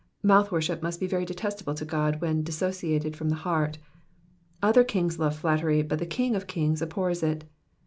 Mouth worship must be very detestable to God when dissociated from the heart : other kings love flattery, but the King of kings abhors it.